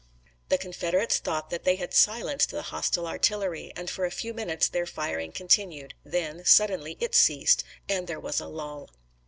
The Confederates thought that they had silenced the hostile artillery, and for a few minutes their firing continued; then, suddenly, it ceased, and there was a lull.